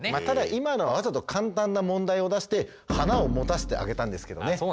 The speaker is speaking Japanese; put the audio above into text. ただ今のはわざと簡単な問題を出して花を持たせてあげたんですけどね。